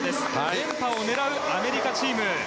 連覇を狙うアメリカチーム。